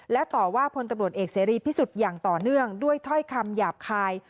และต่อว่าพลตำรวจเอกเสรีพิสุทธิ์อย่างต่อเนื่องด้วยถ้อยคำหยาบคาย